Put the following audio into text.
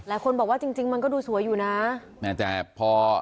หลายคนบอกว่าจริงจริงมันก็ดูสวยอยู่นะแม้แต่พอ